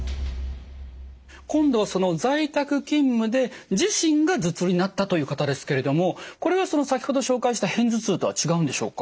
今度は在宅勤務で自身が頭痛になったという方ですけれどもこれは先ほど紹介した片頭痛とは違うんでしょうか？